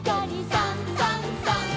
「さんさんさん」